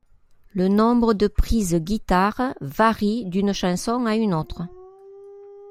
Le nombre de prises guitares varie d'une chanson à une autre.